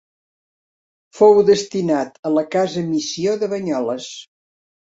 Fou destinat a la Casa Missió de Banyoles.